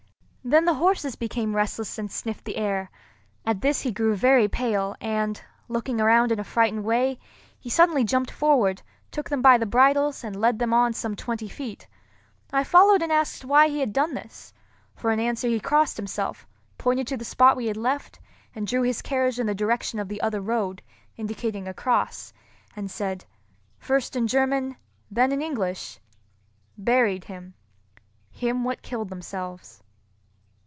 Then the horses became restless and sniffed the air. At this he grew very pale, and, looking around in a frightened way, he suddenly jumped forward, took them by the bridles, and led them on some twenty feet. I followed and asked why he had done this. For an answer he crossed himself, pointed to the spot we had left, and drew his carriage in the direction of the other road, indicating a cross, and said, first in German, then in English, "Buried him—him what killed themselves."